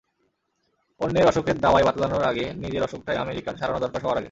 অন্যের অসুখের দাওয়াই বাতলানোর আগে নিজের অসুখটাই আমেরিকার সারানো দরকার সবার আগে।